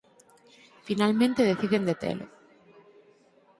Finalmente deciden detelo.